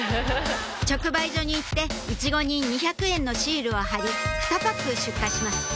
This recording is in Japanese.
直売所に行ってイチゴに２００円のシールを貼りふたパック出荷します